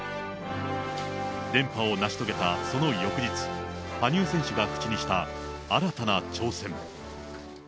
連覇を成し遂げたその翌日、羽生選手が口にした、新たな挑戦。